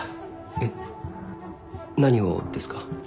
えっ何をですか？